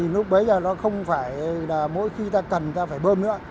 lúc bấy giờ nó không phải là mỗi khi ta cần ta phải bơm nữa